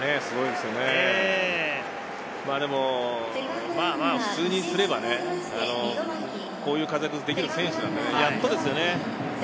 でも普通にすればね、こういう活躍ができる選手なんでやっとですよね。